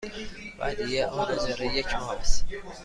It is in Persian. ودیعه آن اجاره یک ماه است.